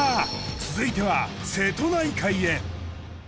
続いては瀬戸内海へ。